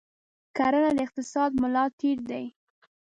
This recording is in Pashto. کرنه د اقتصاد ملا تیر دی.